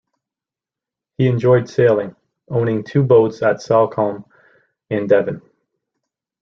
He enjoyed sailing, owning two boats at Salcombe in Devon.